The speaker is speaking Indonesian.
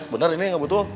bener ini nggak butuh